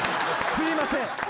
すいません。